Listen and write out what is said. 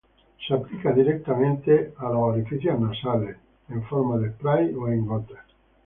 Es aplicado directamente en los orificios nasales, en forma de spray o en gotas.